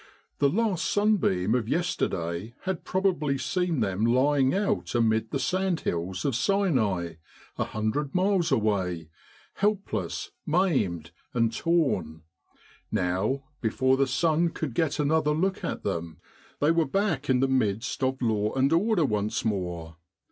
The last sunbeam of yesterday had probably seen them lying out amid the sand hills of Sinai, a hundred miles away, helpless, maimed, and torn ; now, before the sun could get another look at them, they were back in the midst of law and order once more.